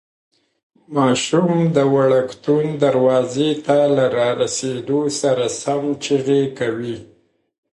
ماشوم د وړکتون دروازې ته له رارسېدو سره سم چیغې کوي.